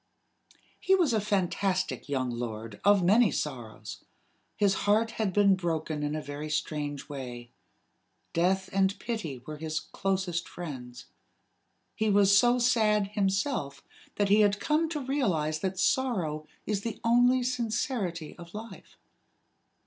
He was a fantastic young lord of many sorrows. His heart had been broken in a very strange way. Death and Pity were his closest friends. He was so sad himself that he had come to realize that sorrow is the only sincerity of life.